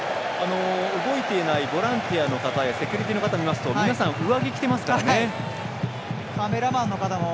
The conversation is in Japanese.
動いていないボランティアの方やセキュリティーの方を見ますと皆さん、上着着ていますからね。